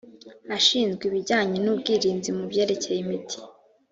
ashinzwe ibijyanye n’ubwirinzi mu byerekeye imiti